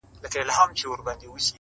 نه مي قسمت، نه مي سبا پر ژبه زېرئ لري،